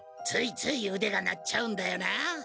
ついついうでが鳴っちゃうんだよなあ。